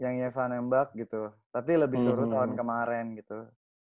yang eva nembak gitu tapi lebih seru tahun kemaren gitu